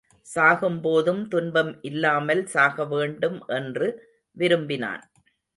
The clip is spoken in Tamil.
சாகும் போதும் துன்பம் இல்லாமல் சாகவேண்டும் என்று விரும்பினான்.